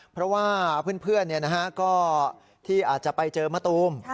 เพราะว่าเพื่อนก็ที่อาจจะไปเจอมะตูม